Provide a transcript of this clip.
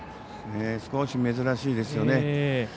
少し珍しいですね。